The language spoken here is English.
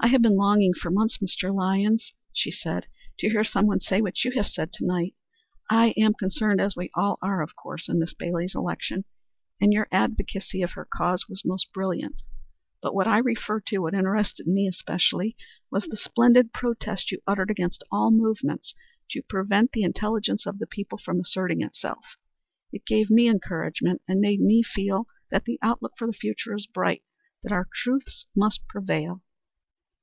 "I have been longing for months, Mr. Lyons," she said, "to hear someone say what you have said to night. I am concerned, as we all are of course, in Miss Bailey's election, and your advocacy of her cause was most brilliant; but what I refer to what interested, me especially, was the splendid protest you uttered against all movements to prevent the intelligence of the people from asserting itself. It gave me encouragement and made me feel that the outlook for the future is bright that our truths must prevail."